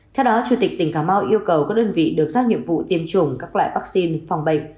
theo đó chủ tịch tỉnh cà mau yêu cầu các đơn vị được giao nhiệm vụ tiêm chủng các loại vaccine phòng bệnh